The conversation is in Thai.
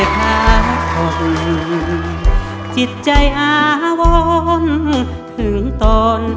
ขอให้ด้วยกังวลที่หลังของแนะงงกตัว